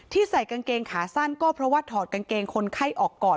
ใส่กางเกงขาสั้นก็เพราะว่าถอดกางเกงคนไข้ออกก่อน